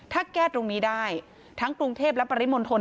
ถ้าแก้ตรงนี้ได้ทั้งกรุงเทพและปริมณฑล